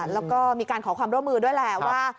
แล้วก็มีการขอความร่วมมือด้วยแหละว่า